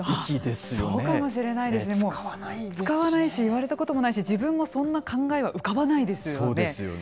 そうかもしれないですね、もう使わないし、言われたこともないし、自分もそんな考えは浮かばないですよね。